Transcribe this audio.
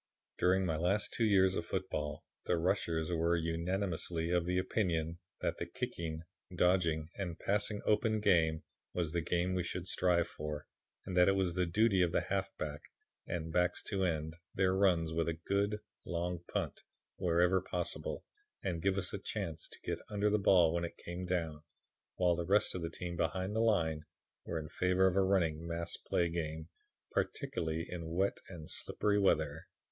"During my last two years of football the 'rushers' were unanimously of the opinion that the kicking, dodging and passing open game was the game we should strive for and that it was the duty of the halfback and backs to end their runs with a good long punt, wherever possible, and give us a chance to get under the ball when it came down, while the rest of the team behind the line were in favor of a running mass play game, particularly in wet and slippery weather.